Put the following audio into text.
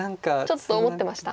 ちょっと思ってました？